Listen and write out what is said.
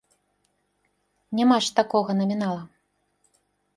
Няма ж такога намінала.